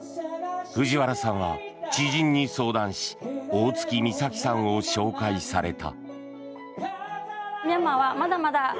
藤原さんは知人に相談し大槻美咲さんを紹介された。